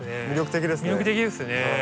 魅力的ですね。